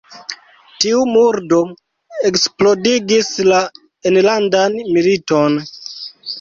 Tiu murdo eksplodigis la enlandan militon.